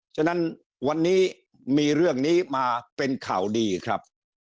ฉะนั้นวันนี้มีเรื่องนี้มาเป็นข่าวดีครับ